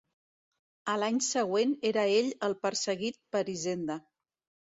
A l'any següent era ell el perseguit per Hisenda.